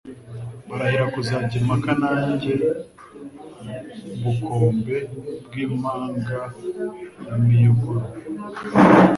barahira kuzajya impaka nanjye Bukombe bw'impangaramiyogoro